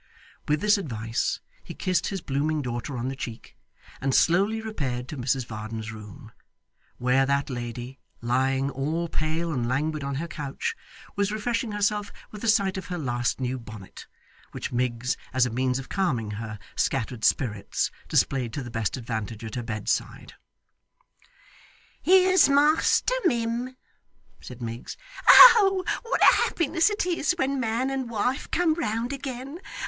With this advice he kissed his blooming daughter on the cheek, and slowly repaired to Mrs Varden's room; where that lady, lying all pale and languid on her couch, was refreshing herself with a sight of her last new bonnet, which Miggs, as a means of calming her scattered spirits, displayed to the best advantage at her bedside. 'Here's master, mim,' said Miggs. 'Oh, what a happiness it is when man and wife come round again!